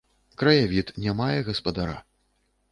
Краявід ня мае гаспадара.